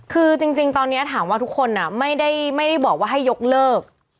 คือจริงตอนนี้ถามว่าทุกคนไม่ได้บอกว่าให้ยกเลิก